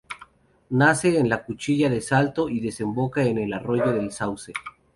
Nace en la Cuchilla de Salto y desemboca en el Arroyo del Sauce.